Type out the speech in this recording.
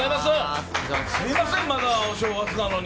すみません、まだお正月なのに。